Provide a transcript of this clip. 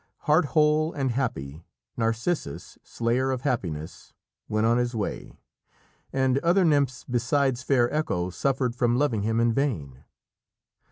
Heartwhole and happy, Narcissus, slayer of happiness, went on his way, and other nymphs besides fair Echo suffered from loving him in vain.